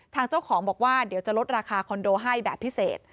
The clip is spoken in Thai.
ทางเจ้าของบอกว่าเดี๋ยวจะลดราคาคอนโดให้แบบพิเศษ